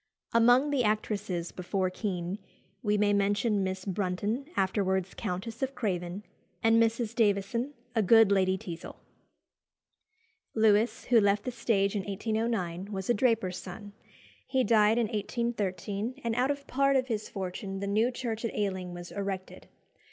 Among the actresses before Kean, we may mention Miss Brunton, afterwards Countess of Craven, and Mrs. Davison, a good Lady Teazle. Lewis, who left the stage in 1809, was a draper's son. He died in 1813, and out of part of his fortune the new church at Ealing was erected.